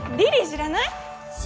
知らない。